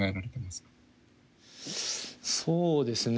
そうですね